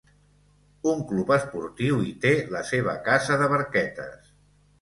Un club esportiu hi té la seva casa de barquetes.